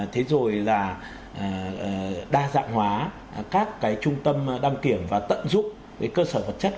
thế rồi là đa dạng hóa các cái trung tâm đăng kiểm và tận dụng cơ sở vật chất